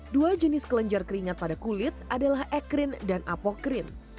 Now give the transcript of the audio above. dua jenis kelenjar keringat pada kulit adalah ekrin dan apokrin